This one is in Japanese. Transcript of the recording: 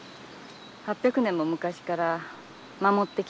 ８００年も昔から守ってきた土地やから。